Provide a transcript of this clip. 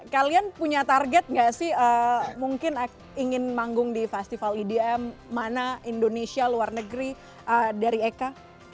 kalian punya target gak sih mungkin ingin manggung di festival edm mana indonesia luar negeri dari eka